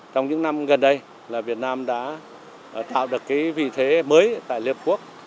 trong những năm gần đây là việt nam đã tạo được cái vị thế mới tại liên hợp quốc